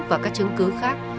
và các chứng cứ khác